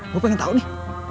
gue pengen tau nih